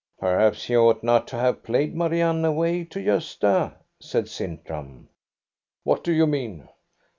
" Perhaps you ought not to have played Marianne away to Gosta," said Sintram. " What do you mean